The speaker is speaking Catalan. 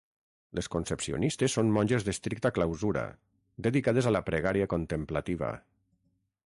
Les concepcionistes són monges d'estricta clausura, dedicades a la pregària contemplativa.